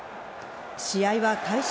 試合は開始